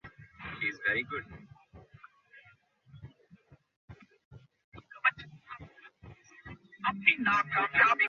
সে ঘুরে বেড়াচ্ছিল।